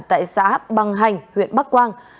tại xã bằng hành huyện bắc quang